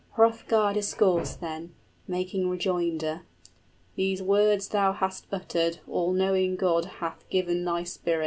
Hrothgar discoursed then, Making rejoinder: "These words thou hast uttered 25 All knowing God hath given thy spirit!